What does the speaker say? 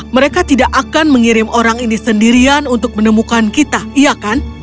mereka tidak akan mengirim orang ini sendirian untuk menemukan kita iya kan